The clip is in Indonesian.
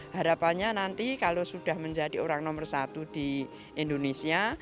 harapannya nanti kalau sudah menjadi orang nomor satu di indonesia